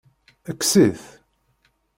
Kkes-it.